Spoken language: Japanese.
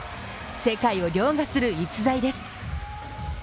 世界を凌駕する逸材です。